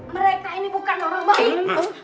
mereka ini bukan orang baik untung